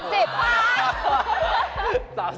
๓๐หรือวะ